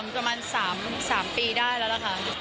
ประมาณ๓ปีได้แล้วล่ะค่ะ